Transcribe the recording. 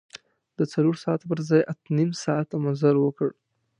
د څلور ساعته پر ځای اته نیم ساعته مزل وکړ.